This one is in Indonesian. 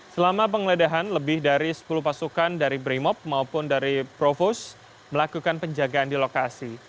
selama penggeledahan lebih dari sepuluh pasukan dari brimop maupun dari provos melakukan penjagaan di lokasi